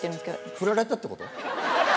振られたってこと？